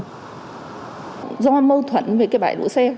do mâu thuẫn với cái bãi đổ xe